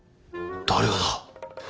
誰がだ？